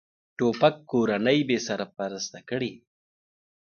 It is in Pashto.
توپک کورنۍ بېسرپرسته کړي.